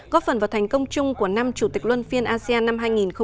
góp phần vào thành công chung của năm chủ tịch luân phiên asean năm hai nghìn hai mươi